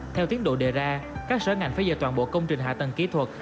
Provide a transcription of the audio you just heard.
theo tiến độ đề ra các sở ngành phải dời toàn bộ công trình hạ tầng kỹ thuật